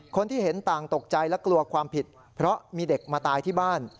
คนที่เห็นต่างตกใจและกลัวความผิดเพราะมีเด็กมาตายที่บ้าน